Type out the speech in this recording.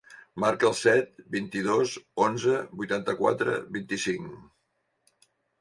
Marca el set, vint-i-dos, onze, vuitanta-quatre, vint-i-cinc.